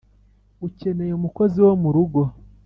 ukeneye umukozi wo murugo